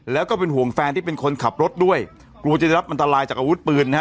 แล้วก็เป็นห่วงแฟนที่เป็นคนขับรถด้วยกลัวจะได้รับอันตรายจากอาวุธปืนนะฮะ